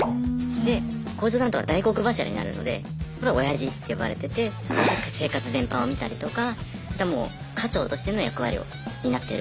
で工場担当は大黒柱になるのでまあオヤジって呼ばれてて生活全般を見たりとかもう家長としての役割を担ってる。